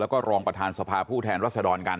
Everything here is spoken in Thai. แล้วก็รองประธานสภาผู้แทนรัศดรกัน